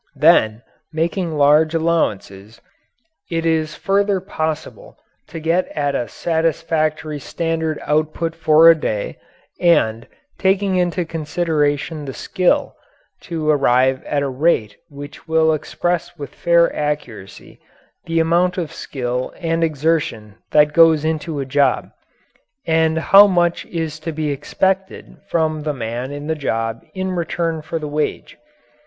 Then, making large allowances, it is further possible to get at a satisfactory standard output for a day, and, taking into consideration the skill, to arrive at a rate which will express with fair accuracy the amount of skill and exertion that goes into a job and how much is to be expected from the man in the job in return for the wage.